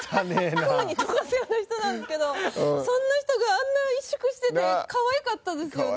空にとかすような人なんですけどそんな人があんな萎縮してて可愛かったですよね。